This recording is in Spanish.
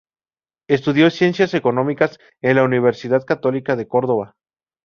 Estudió Ciencias Económicas en la Universidad Católica de Córdoba.